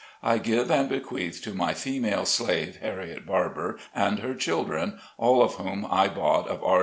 I give and bequeath to my female slave, Harriet Barber, and her children (all of whom I bought of R.